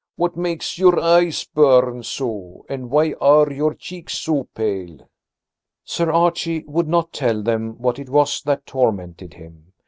"What makes your eyes burn so, and why are your cheeks so pale?" Sir Archie would not tell them what it was that tormented him.